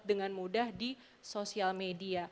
dengan mudah di sosial media